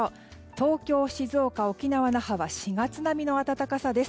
東京、静岡、沖縄・那覇は４月並みの暖かさです。